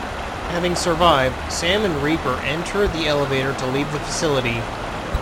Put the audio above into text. Having survived, Sam and Reaper enter the elevator to leave the facility.